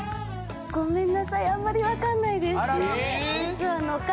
ごめんなさいあんまりわかんないですあららえっ？